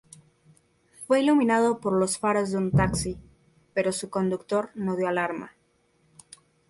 Fue iluminado por los faros de un taxi, pero su conductor no dio alarma.